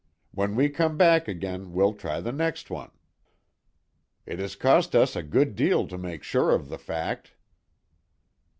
"When we come back again we'll try the next one." "It has cost us a good deal to make sure of the fact."